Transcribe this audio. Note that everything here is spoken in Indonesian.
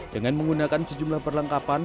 dengan menggunakan sejumlah perlengkapan